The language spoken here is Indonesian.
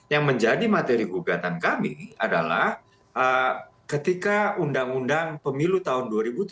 yang menjadi materi gugatan kami adalah ketika undang undang pemilu tahun dua ribu tujuh belas